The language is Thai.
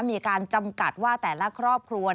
มีการจำกัดว่าแต่ละครอบครัว